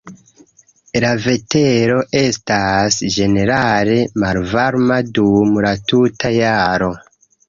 La vetero estas ĝenerale malvarma dum la tuta jaro.